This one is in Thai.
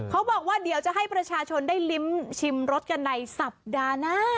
เขาบอกว่าเดี๋ยวจะให้ประชาชนได้ลิ้มชิมรสกันในสัปดาห์หน้า